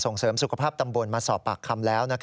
เสริมสุขภาพตำบลมาสอบปากคำแล้ว